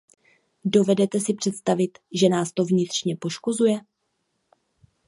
Dovedete si představit, že nás to vnitřně poškozuje.